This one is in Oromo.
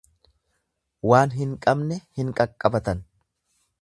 Waan hin qabne, hin qaqqabatan.